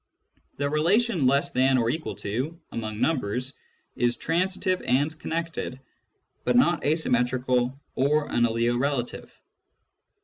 The relation " less than or equal to," among numbers, is transitive and connected, but not asymmetrical or an aliorelative.